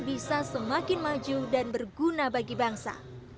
bisa semakin maju dan berguna bagi bangsa